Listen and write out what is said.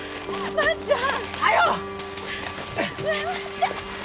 万ちゃん！